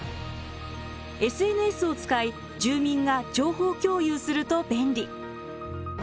ＳＮＳを使い住民が情報共有すると便利。